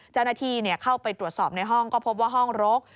เจ้าหน้าที่เข้าไปตรวจสอบในห้องก็พบว่าห้องรก